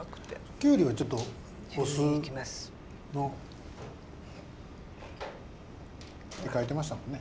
きゅうりはちょっとお酢の。って書いてましたもんね。